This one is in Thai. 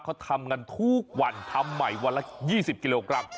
เขาทำกันทุกวันทำใหม่วันละ๒๐กิโลกรัม